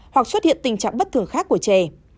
hoặc xuất hiện tình trạng bất thường khác của trẻ